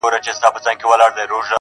• د بوډۍ ټال به مي په سترګو کي وي -